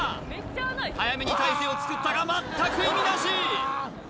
早めに体勢をつくったがまったく意味なし！